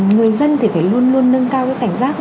người dân thì phải luôn luôn nâng cao cái cảnh giác